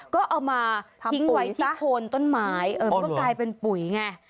ก็เอามาคิ้งไว้ทำปุ๋ยซะจิดโคลนต้นไม้ก็กลายเป็นปุ๋ยไง